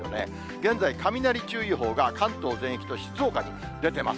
現在、雷注意報が関東全域と静岡に出てます。